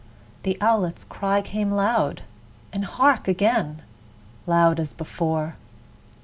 The owlet's cry Came loud and hark, again! loud as before.